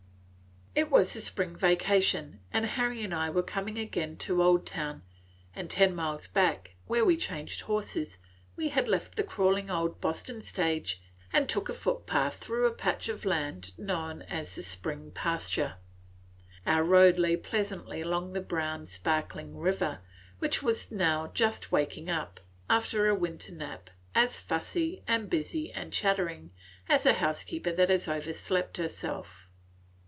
IT was the spring vacation, and Harry and I were coming again to Oldtown; and ten miles back, where we changed horses, we had left the crawling old Boston stage and took a footpath through a patch of land known as the Spring Pasture. Our road lay pleasantly along the brown, sparkling river, which was now just waked up, after its winter nap, as fussy and busy and chattering as a housekeeper that has overslept herself.